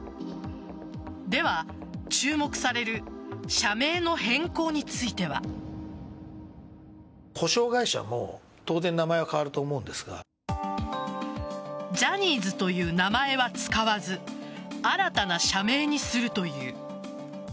では、注目される社名の変更については。ジャニーズという名前は使わず新たな社名にするという。